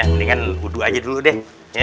mendingan wudhu aja dulu deh